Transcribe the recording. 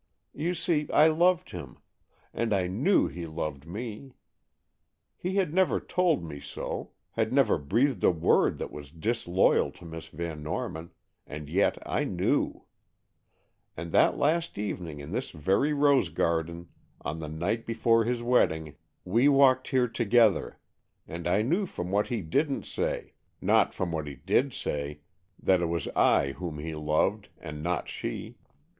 You see, I loved him,—and I knew he loved me. He had never told me so, had never breathed a word that was disloyal to Miss Van Norman,—and yet I knew. And that last evening in this very rose garden, on the night before his wedding, we walked here together, and I knew from what he didn't say, not from what he did say, that it was I whom he loved, and not she.